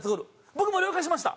「僕も了解しました！」。